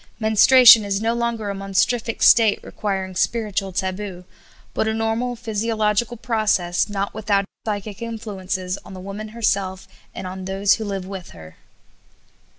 Menstruation is no longer a monstrific state requiring spiritual taboo, but a normal physiological process, not without its psychic influences on the woman herself and on those who live with her.